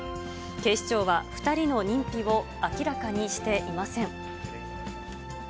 警視庁は２人の認否を明らかにしていません。